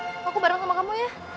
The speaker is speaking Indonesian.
maling kumot berenceng sama kamu ya